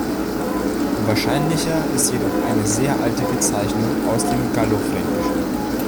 Wahrscheinlicher ist jedoch eine sehr alte Bezeichnung aus dem Gallo-Fränkischen.